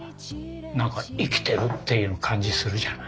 何か生きてるっていう感じするじゃない。